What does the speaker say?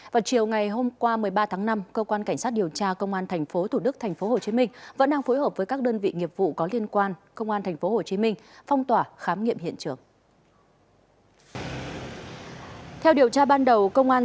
vào chiều ngày hôm qua một mươi ba tháng năm cơ quan cảnh sát điều tra công an tp thủ đức tp hcm vẫn đang phối hợp với các đơn vị nghiệp vụ có liên quan công an tp hcm phong tỏa khám nghiệm hiện trường